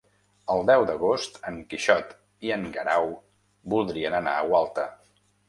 El deu d'agost en Quixot i en Guerau voldrien anar a Gualta.